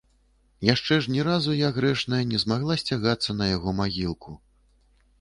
Яшчэ ж ні разу я, грэшная, не змагла сцягацца на яго магілку.